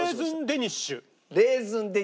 デニッシュ。